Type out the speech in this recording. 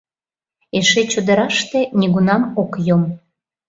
Эше чодыраште нигунам ок йом.